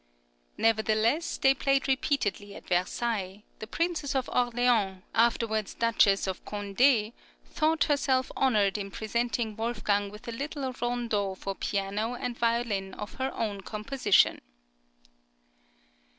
Nevertheless, they played repeatedly at Versailles; the Princess of Orleans, afterwards Duchess of Condé, thought herself honoured in presenting Wolfgang with a little rondo for piano and violin of her own composition.